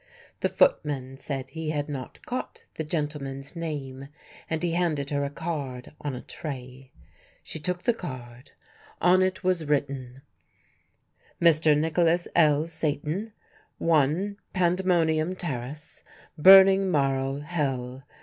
The footman said he had not caught the gentleman's name, and he handed her a card on a tray. She took the card. On it was written: MR. NICHOLAS L. SATAN, I, Pandemonium Terrace, BURNING MARLE, HELL.